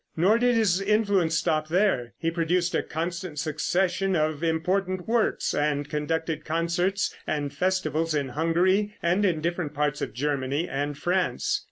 Nor did his influence stop here. He produced a constant succession of important works, and conducted concerts and festivals in Hungary, and in different parts of Germany and France.